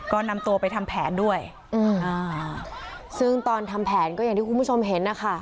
ก็นำตัวไปทำแผนด้วยอืมอ่าซึ่งตอนทำแผนก็อย่างที่คุณผู้ชมเห็นนะคะ